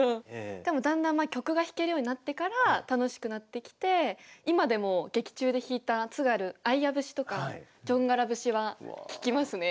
でもだんだん曲が弾けるようになってから楽しくなってきて今でも劇中で弾いた「津軽あいや節」とか「じょんがら節」は聴きますね。